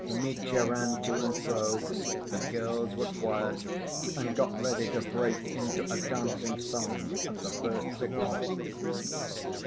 Mitya ran to and fro, the girls were quiet, and got ready to break into a dancing song at the first signal.